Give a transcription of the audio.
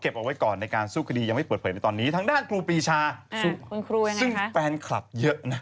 ขณะตอนอยู่ในสารนั้นไม่ได้พูดคุยกับครูปรีชาเลย